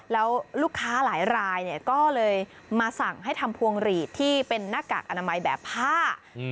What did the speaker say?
แล้วลูกค้าหลายรายเนี่ยก็เลยมาสั่งให้ทำพวงหลีดที่เป็นหน้ากากอนามัยแบบผ้า